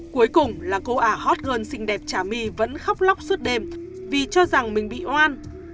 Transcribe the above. cuối cùng là cô ả hot girl xinh đẹp chả my vẫn khóc lóc suốt đêm vì cho rằng mình bị oan